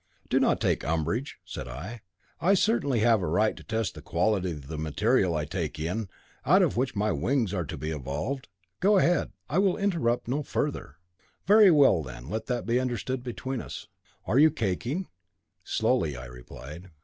"Do not take umbrage," said I. "I surely have a right to test the quality of the material I take in, out of which my wings are to be evolved. Go ahead; I will interrupt no further." "Very well, then, let that be understood between us. Are you caking?" "Slowly," I replied.